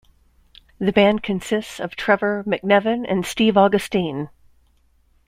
The band consists of Trevor McNevan and Steve Augustine.